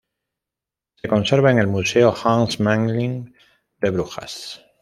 Se conserva en el Museo Hans Memling de Brujas.